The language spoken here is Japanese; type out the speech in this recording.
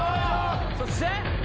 そして！